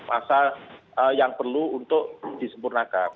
masa yang perlu untuk disempurnakan